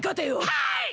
はい！